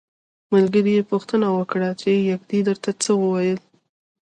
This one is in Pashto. ملګري یې پوښتنه وکړه چې یږې درته څه وویل.